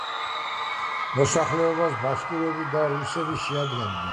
მოსახლეობას ბაშკირები და რუსები შეადგენენ.